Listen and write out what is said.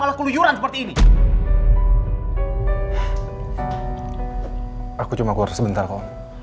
aku cuma keluar sebentar kok